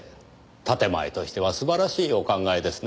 建前としては素晴らしいお考えですねぇ。